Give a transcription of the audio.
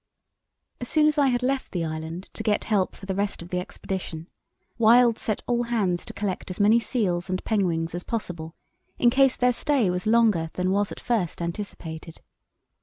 As soon as I had left the island to get help for the rest of the Expedition, Wild set all hands to collect as many seals and penguins as possible, in case their stay was longer than was at first anticipated.